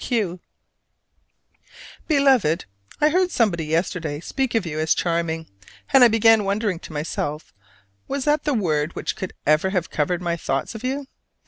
Q. Beloved: I heard somebody yesterday speak of you as "charming"; and I began wondering to myself was that the word which could ever have covered my thoughts of you?